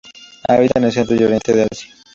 Habitan al centro y oriente de Asia.